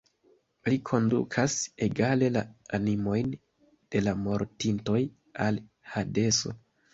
Li kondukas egale la animojn de la mortintoj al Hadeso.